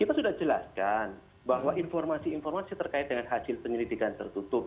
kita sudah jelaskan bahwa informasi informasi terkait dengan hasil penyelidikan tertutup